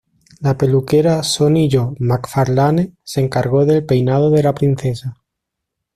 La peluquera Sonny-Jo MacFarlane se encargó del peinado de la princesa.